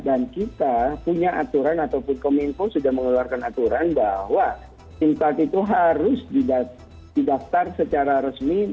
dan kita punya aturan ataupun kominfo sudah mengeluarkan aturan bahwa sim card itu harus didaftar secara resmi